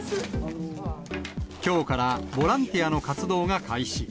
きょうからボランティアの活動が開始。